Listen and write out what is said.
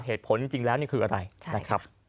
เหตุผลจริงแล้วนี่คืออะไรนะครับ